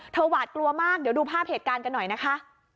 หวาดกลัวมากเดี๋ยวดูภาพเหตุการณ์กันหน่อยนะคะ